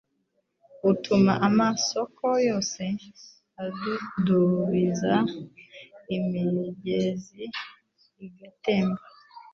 utuma amasoko yose adudubiza imigezi igatemba,